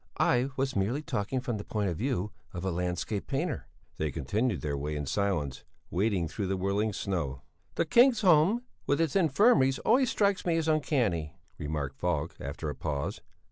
I was merely talking from the point of view of a landscape painter." They continued their way in silence, wading through the whirling snow. "The Kingsholm with its infirmaries always strikes me as uncanny," remarked Falk, after a pause.